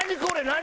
何？